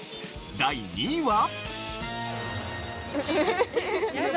第２位は。